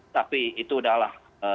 tapi itu adalah